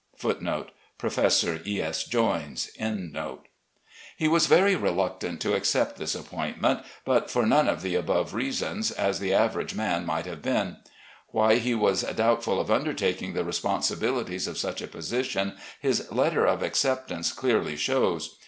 * He was very reluctant to accept this appointment, but for none of the above reasons, as the average man might have been. Why he was doubtful of undertaking the responsibilities of such a position his letter of acceptance clearly shows.